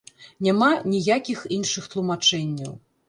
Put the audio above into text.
Няма ніякіх іншых тлумачэнняў.